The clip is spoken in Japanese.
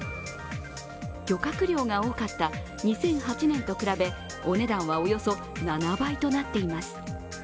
漁獲量が多かった２００８年と比べお値段はおよそ７倍となっています。